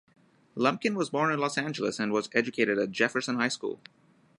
Lumpkin was born in Los Angeles and was educated at Jefferson High School.